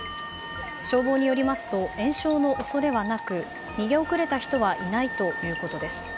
消防によりますと延焼の恐れはなく逃げ遅れた人はいないということです。